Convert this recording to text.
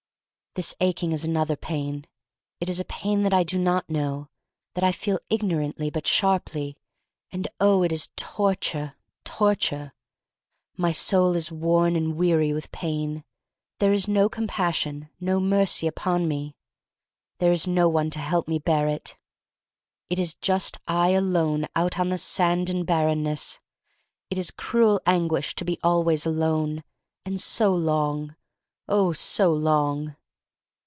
This aching is another pain. It is a pain that I do not know — that I feel ignorantly but sharply, and, oh, it is torture, torture! My soul is worn and weary with pain. There is no compassion — no mercy upon me. There is no one to help me bear it. It is just I alone out on the sand and barrenness. It is cruel anguish to be always alone — and so long — oh, so long!